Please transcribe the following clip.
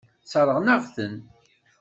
Sseṛɣen-aɣ-ten.